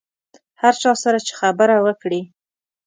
هر چا سره چې خبره وکړې.